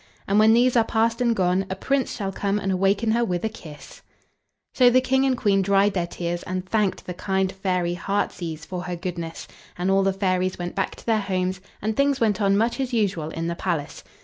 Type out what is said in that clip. And, when these are past and gone, a Prince shall come and awaken her with a kiss." So the King and Queen dried their tears and thanked the kind fairy Heartsease for her goodness; and all the fairies went back to their homes, and things went on much as usual in the palace.